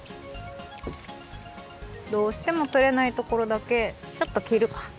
どうしてもとれないところだけちょっときるか。